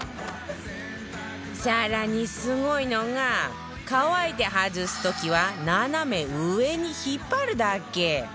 更にすごいのが乾いて外す時は斜め上に引っ張るだけ